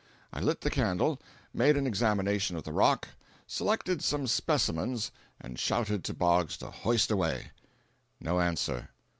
I lit the candle, made an examination of the rock, selected some specimens and shouted to Boggs to hoist away. No answer.